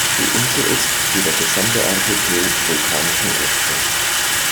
Die Insel ist, wie der gesamte Archipel, vulkanischen Ursprungs.